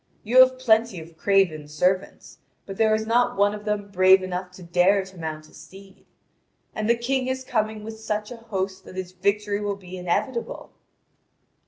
You have plenty of craven servants, but there is not one of them brave enough to dare to mount a steed. And the King is coming with such a host that his victory will be inevitable."